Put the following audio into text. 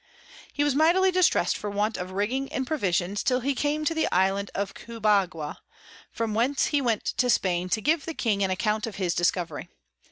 He was mightily distress'd for want of Rigging and Provisions till he came to the Island of Cubagua, from whence he went to Spain to give the King an Account of his Discovery.